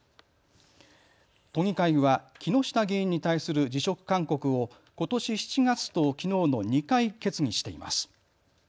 都議会は木下議員に対する辞職勧告をことし７月ときのうの２回、決議しています。